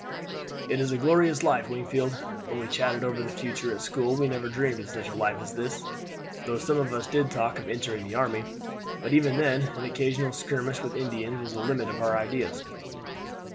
"It's a glorious life, Wingfield! When we chatted over the future at school we never dreamed of such a life as this, though some of us did talk of entering the army; but even then an occasional skirmish with Indians was the limit of our ideas."